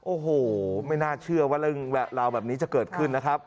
โอ้โหไม่น่าเชื่อว่าเรื่องราวแบบนี้จะเกิดขึ้นนะครับ